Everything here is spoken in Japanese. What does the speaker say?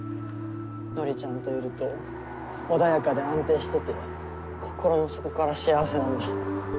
典ちゃんといると穏やかで安定してて心の底から幸せなんだ。